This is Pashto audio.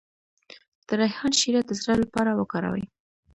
د ریحان شیره د زړه لپاره وکاروئ